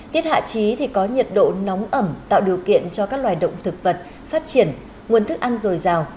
tiết hạ trí thì có nhiệt độ nóng ẩm tạo điều kiện cho các loài động thực vật phát triển nguồn thức ăn dồi dào